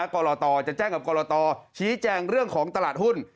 กรตจะแจ้งกับกรตชี้แจงเรื่องของตลาดหุ้น